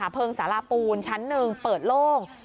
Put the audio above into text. เพลิงสาราปูนชั้น๑เปิดโล่ง